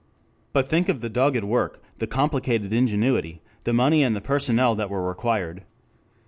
But think of the dogged work, the complicated ingenuity, the money and the personnel that were required.